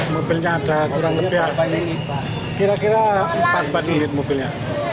mobilnya ada kurang lebih kira kira empat puluh empat unit mobilnya